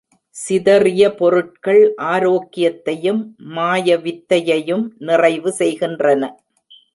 சிதறிய பொருட்கள் ஆரோக்கியத்தையும் மாயவித்தையையும் நிறைவு செய்கின்றன.